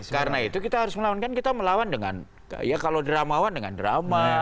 karena itu kita harus melawan kan kita melawan dengan ya kalau dramawan dengan drama